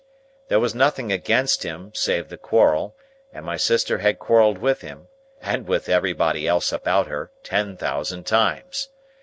There was nothing against him, save the quarrel; and my sister had quarrelled with him, and with everybody else about her, ten thousand times.